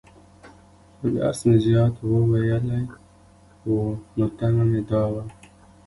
خو درس مې زيات وويلى وو، نو تمه مې دا وه.